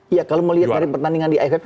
iya kalau melihat dari pertandingan di aff